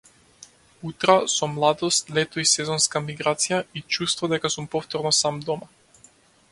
Утра со младост, лето и сезонска миграција, и чувство дека сум повторно сам дома.